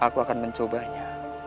aku akan mencobanya